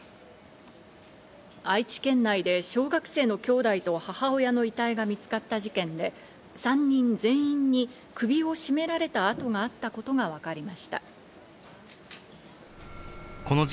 愛知県内で小学生のきょうだいと母親の遺体が見つかった事件で、３人全員に首を絞められた痕があったことがわかりました。